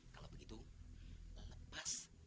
kalau begitu lepas